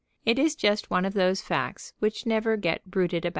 It is just one of those facts which never get bruited about.